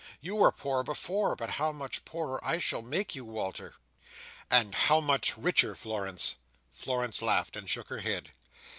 You were poor before. But how much poorer I shall make you, Walter!" "And how much richer, Florence!" Florence laughed, and shook her head.